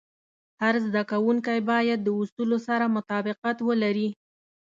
هر زده کوونکی باید د اصولو سره مطابقت ولري.